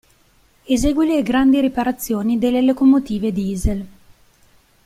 Esegue le grandi riparazioni delle locomotive Diesel.